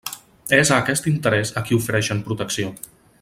És a aquest interès a qui ofereixen protecció.